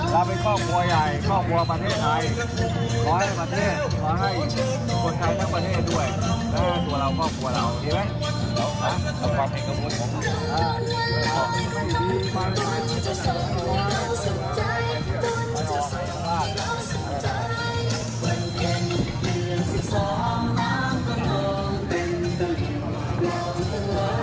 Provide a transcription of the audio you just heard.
หน้าข้างหน้าข้องหัวเราเห็นไหม